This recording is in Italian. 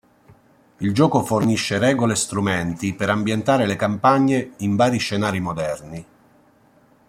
Il gioco fornisce regole e strumenti per ambientare le campagne in vari scenari moderni.